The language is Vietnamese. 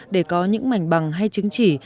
để có những mảnh bằng hay chứng chỉ